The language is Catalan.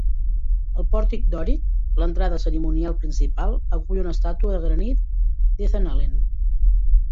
El pòrtic dòric, l'entrada cerimonial principal, acull una estàtua de granit d'Ethan Allen.